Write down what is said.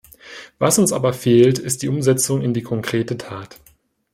Was uns aber fehlt, ist die Umsetzung in die konkrete Tat.